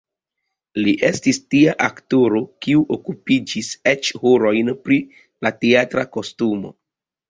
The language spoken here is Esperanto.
Li estis tia aktoro, kiu okupiĝis eĉ horojn pri la teatra kostumo.